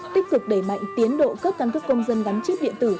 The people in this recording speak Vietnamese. tích cực đẩy mạnh tiến độ cấp căn cước công dân gắn chip điện tử